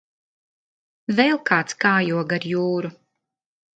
Vēl kāds kājo gar jūru.